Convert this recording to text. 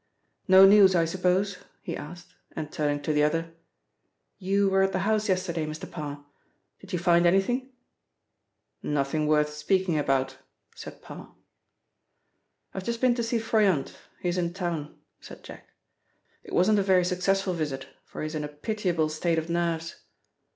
"No news, I suppose?" he asked, and turning to the other: "You were at the house yesterday, Mr. Parr. Did you find anything?" "Nothing worth speaking about," said Parr. "I've just been to see Froyant, he is in town," said Jack. "It wasn't a very successful visit, for he is in a pitiable state of nerves."